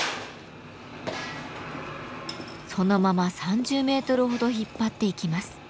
そのまま３０メートルほど引っ張っていきます。